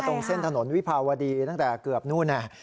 ตรงเส้นถนนวิภาวดีตั้งแต่เกือบนู่น